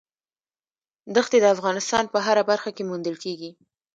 دښتې د افغانستان په هره برخه کې موندل کېږي.